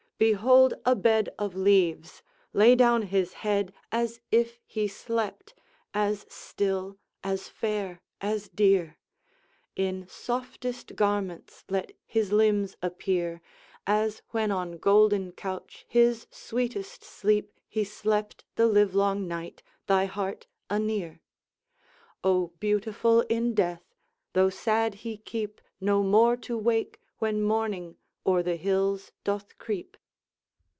Behold a bed of leaves! Lay down his head As if he slept as still, as fair, as dear, In softest garments let his limbs appear, As when on golden couch his sweetest sleep He slept the livelong night, thy heart anear; Oh, beautiful in death though sad he keep, No more to wake when Morning o'er the hills doth creep.